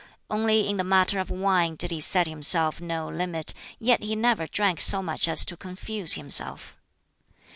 Only in the matter of wine did he set himself no limit, yet he never drank so much as to confuse himself.